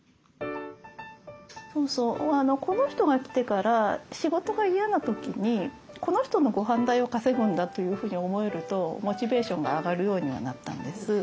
そうそうこの人が来てから仕事が嫌な時にこの人のごはん代を稼ぐんだというふうに思えるとモチベーションが上がるようにはなったんです。